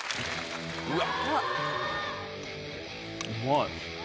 うわ。